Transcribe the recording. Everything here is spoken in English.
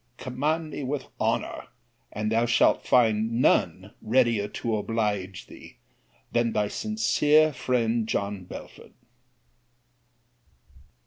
Command me with honour, and thou shalt find none readier to oblige thee than Thy sincere friend, JOHN BELFORD.